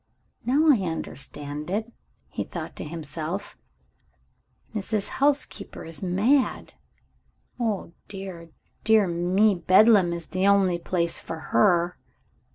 "Now I understand it," he thought to himself "Mrs. Housekeeper is mad. Oh, dear, dear me Bedlam is the only place for her!"